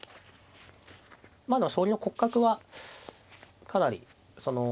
まあでも将棋の骨格はかなりそのまあ